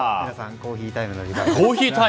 コーヒータイムの時間です。